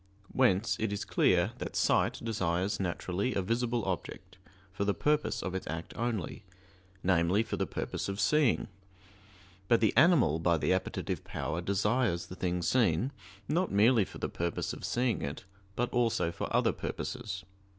Whence it is clear that sight desires naturally a visible object for the purpose of its act only namely, for the purpose of seeing; but the animal by the appetitive power desires the thing seen, not merely for the purpose of seeing it, but also for other purposes.